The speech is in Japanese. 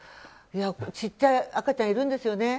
小さい赤ちゃんいるんですよね。